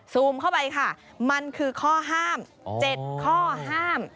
ซูมเข้าไปค่ะมันคือข้อห้าม๗ข้อห้าม